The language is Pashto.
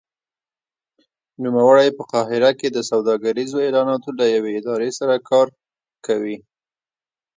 نوموړی په قاهره کې د سوداګریزو اعلاناتو له یوې ادارې سره کار کوي.